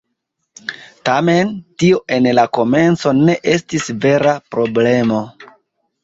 Tamen, tio en la komenco ne estis vera problemo.